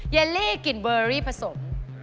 เลลี่กลิ่นเบอรี่ผสม